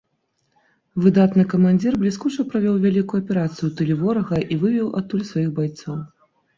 Выдатны камандзір бліскуча правёў вялікую аперацыю ў тыле ворага і вывеў адтуль сваіх байцоў.